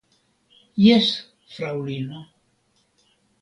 Jes, fraŭlino.